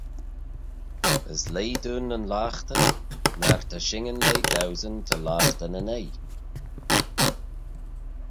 As leih dooin nyn loghtyn, myr ta shinyn leih dauesyn ta loghtey nyn'oi.